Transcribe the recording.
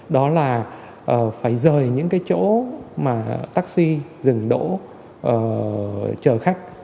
đó là phải rời những cái chỗ mà taxi dừng đỗ chờ khách